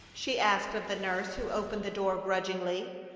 she asked of the nurse who opened the door grudgingly.